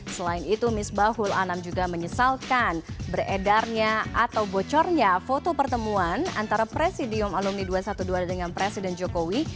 selain itu misbahul anam juga menyesalkan beredarnya atau bocornya foto pertemuan antara presidium alumni dua ratus dua belas dengan presiden jokowi